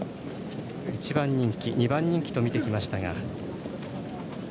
１番人気、２番人気と見ていきました。